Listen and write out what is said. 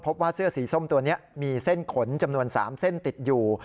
พบว่าเสื้อสีส้มตัวนี้มีเส้นขนจำนวน๓เส้นติดอยู่